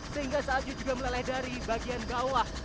sehingga salju juga meleleh dari bagian bawah